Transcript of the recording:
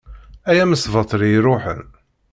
Ay amesbaṭli iṛuḥen.